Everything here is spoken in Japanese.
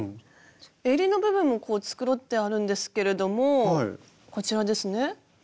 えりの部分もこう繕ってあるんですけれどもこちらですね。